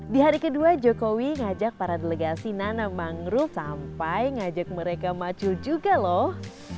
di hari kedua jokowi ngajak para delegasi nana mangrove sampai ngajak mereka maju juga loh